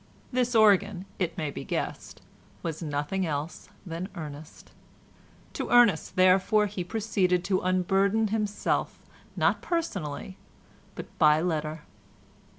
This organ, it may be guessed, was nothing else than Ernest; to Ernest therefore he proceeded to unburden himself, not personally, but by letter.